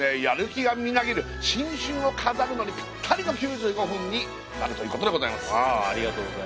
やる気がみなぎる新春を飾るのにピッタリの９５分になるということでございます。